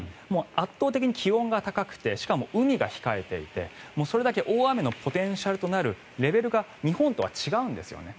圧倒的に気温が高くてしかも海が控えていてそれだけ大雨のポテンシャルとなるレベルが日本とは違うんですよね。